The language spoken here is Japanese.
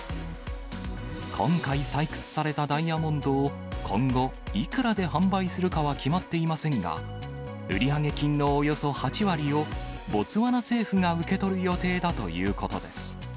今回、採掘されたダイヤモンドを、今後いくらで販売するかは決まっていませんが、売上金のおよそ８割を、ボツワナ政府が受け取る予定だということです。